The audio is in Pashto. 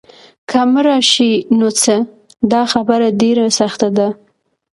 که مړه شي نو څه؟ دا خبره ډېره سخته ده.